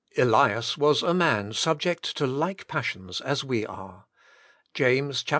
Ellas was a man subject to like pas sions as we are." — Jas.